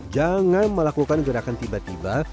jangan melakukan gerakan tiba tiba